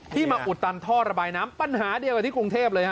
มาอุดตันท่อระบายน้ำปัญหาเดียวกับที่กรุงเทพเลยฮ